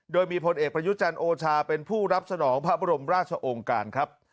โดยมีพลเอกประยุจันทร์โอชาเป็นผู้รับสนองพระบรมราชองค์การครับ